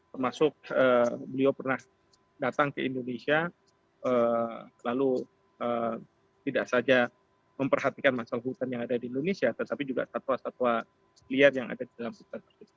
termasuk beliau pernah datang ke indonesia lalu tidak saja memperhatikan masalah hutan yang ada di indonesia tetapi juga satwa satwa liar yang ada di dalam hutan tersebut